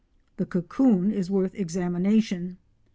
] The "cocoon" is worth examination.